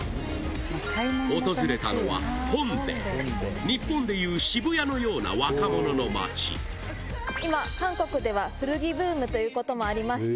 訪れたのは日本でいう渋谷のような若者の街ということもありまして